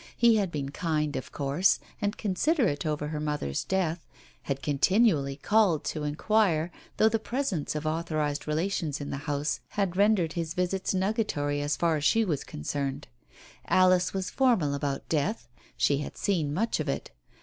He had been kind, of course^ and considerate over her mother's death, had continually called to inquire, though the presence of authorized relations in the house had rendered his visits nugatory as far as she was concerned. Alice was formal about death. She had seen much of it.